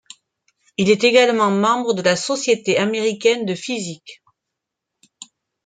Il est également membre de la Société américaine de physique.